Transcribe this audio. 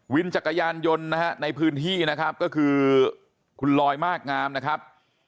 จักรยานยนต์นะฮะในพื้นที่นะครับก็คือคุณลอยมากงามนะครับ